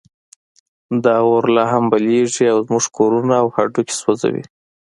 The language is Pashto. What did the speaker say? دا اور لا هم بلېږي او زموږ کورونه او هډوکي سوځوي.